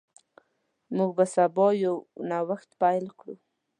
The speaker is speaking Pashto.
موږ به سبا یو نوښت پیل کړو.